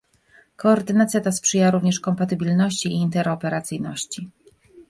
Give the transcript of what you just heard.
Koordynacja ta sprzyja również kompatybilności i interoperacyjności